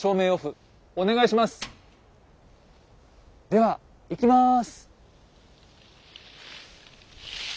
ではいきます。